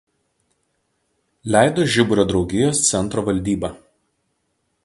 Leido „Žiburio“ draugijos Centro valdyba.